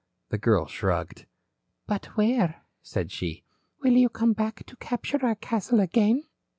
The girl shrugged. "But where?" said she. "Will you come back to capture our castle again?"